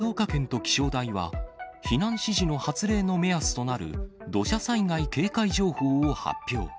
静岡県と気象台は、避難指示の発令の目安となる土砂災害警戒情報を発表。